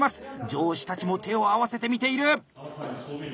上司たちも手を合わせて見ている！